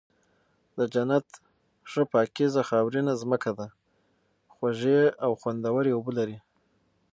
د جنت ښه پاکيزه خاورينه زمکه ده، خوږې او خوندوَري اوبه لري